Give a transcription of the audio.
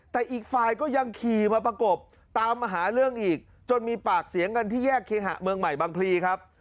แต่อีกฝ่ายก็ยังขี่มาประกบตามมาหาเรื่องอีกจนมีปากเสียงกันที่แยกเคหะเมืองใหม่บางพลีครับ